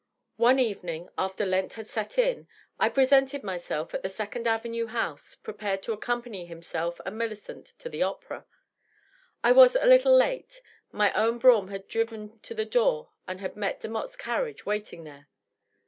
One evening, after Lent had set in, I present^ myself at the Second Avenue house, prepared to accompany himself and Millicent to the opera. I was a little late ; my own brougham had driven to the door and had met Demotte^s carriage, waiting there.